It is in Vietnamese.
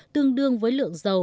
tương đương với lượng dầu